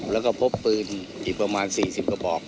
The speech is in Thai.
แล้วก็พบปืนอีกประมาณ๔๐กระบอก